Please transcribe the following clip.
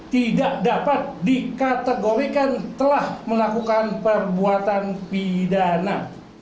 tidak dapat dikategorikan telah melakukan perbuatan pidana